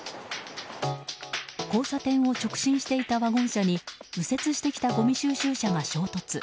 交差点を直進していたワゴン車に右折してきたごみ収集車が衝突。